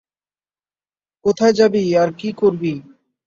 কোথায় যাবি আর কী করবি?